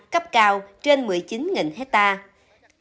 cấp cao trên một mươi chín hectare